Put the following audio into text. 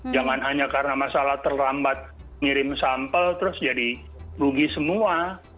jangan hanya karena masalah terlambat ngirim sampel terus jadi rugi semua